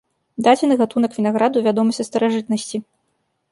Дадзены гатунак вінаграду вядомы са старажытнасці.